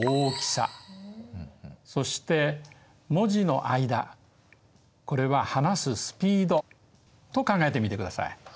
そして文字の間これは話すスピードと考えてみてください。